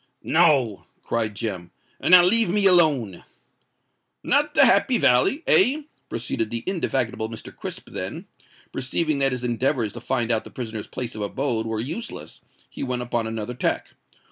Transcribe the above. "No," cried Jem; "and now leave me alone." "Not the Happy Valley—eh?" proceeded the indefatigable Mr. Crisp: then, perceiving that his endeavours to find out the prisoner's place of abode were useless, he went upon another tack.